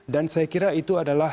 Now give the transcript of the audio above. dan saya kira itu adalah